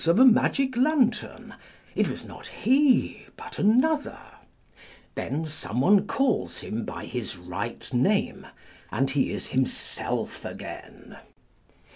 of a magic lantern, it was not he, but another ; then sonio one calls him by his right name, and he is himself again.